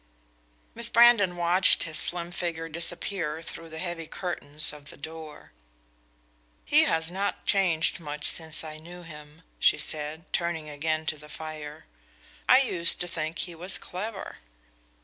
Miss Brandon watched his slim figure disappear through the heavy curtains of the door. "He has not changed much since I knew him," she said, turning again to the fire. "I used to think he was clever."